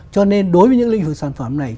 cho nên đối với những lĩnh vực sản phẩm này